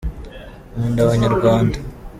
nkunda abanyarwanda